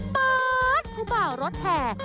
เปิดผู้บ่าวรถแห่